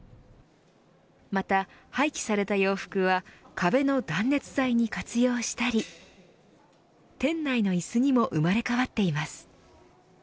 また、廃棄された洋服は壁の断熱材に活用したり店内のいすにも生まれ変わっています。